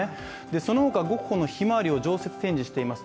そのほか、ゴッホの「ひまわり」を常設展示しています